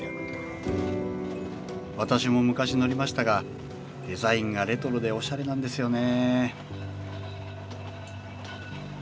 私も昔乗りましたがデザインがレトロでおしゃれなんですよね